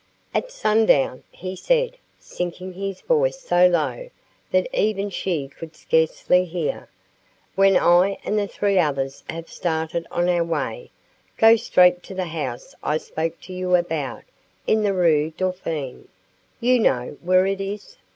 "At sundown," he said, sinking his voice so low that even she could scarcely hear, "when I and the three others have started on our way, go straight to the house I spoke to you about in the Rue Dauphine you know where it is?"